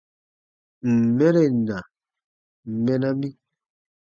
Ǹ n mɛren na, mɛna mi.